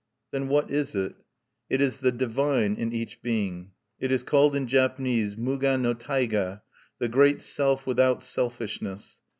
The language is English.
Then what is it? It is the divine in each being. It is called in Japanese Muga no taiga, the Great Self without selfishness.